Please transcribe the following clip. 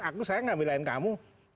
aku saya gak belain kamu